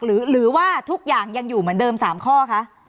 หรือว่าทุกอย่างยังอยู่เหมือนเดิม๓ข้อคะ